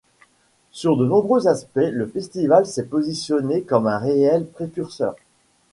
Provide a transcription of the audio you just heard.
Sur de nombreux aspects, le Festival s’est positionné comme un réel précurseur.